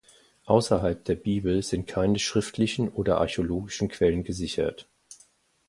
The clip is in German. Außerhalb der Bibel sind keine schriftlichen oder archäologischen Quellen gesichert.